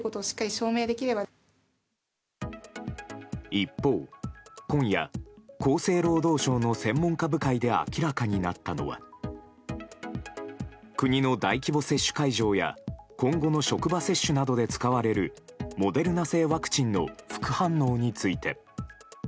一方、今夜厚生労働省の専門家部会で明らかになったのは国の大規模接種会場や今後の職場接種などで使われるモデルナ製ワクチンの副反応について。